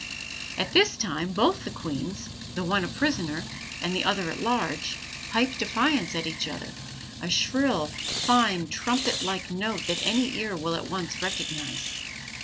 At this time both the queens, the one a prisoner and the other at large, pipe defiance at each other, a shrill, fine, trumpet like note that any ear will at once recognize.